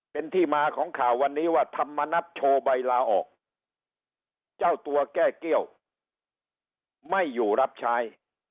เป็นที่มาของข่าววันนี้ว่าธรรมนัฐโชว์ใบลาออกเจ้าตัวแก้เกี้ยวไม่อยู่รับใช้